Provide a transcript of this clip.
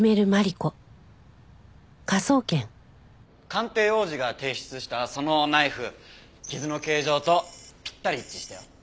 鑑定王子が提出したそのナイフ傷の形状とぴったり一致したよ。